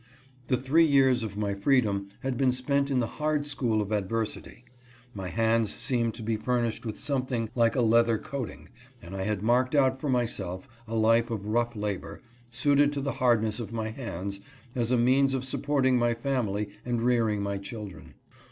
The three years of my freedom had been spent in the hard school of adversity. My hands seemed to be fur nished with something like a leather coating, and I had marked out for myself a life of rough labor, suited to the 268 AS A CHATTEL. hardness of my hands, as a means of supporting my family and rearing my children.